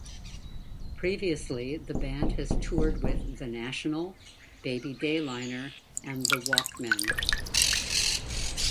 Previously the band has toured with The National, Baby Dayliner, and The Walkmen.